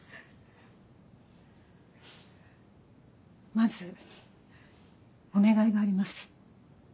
まずお願いがあります。